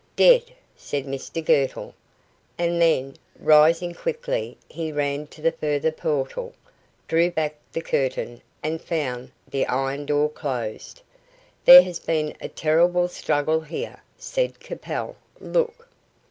"Dead!" said Mr Girtle; and then, rising quickly, he ran to the further portal, drew back the curtain, and found the iron door closed. "There has been a terrible struggle here," said Capel. "Look."